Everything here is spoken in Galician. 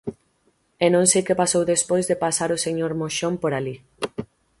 E non sei que pasou despois de pasar o señor Moxón por alí.